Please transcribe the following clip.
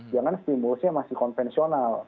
yang kan stimulusnya masih konvensional